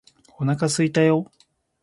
お腹すいたよ！！！！！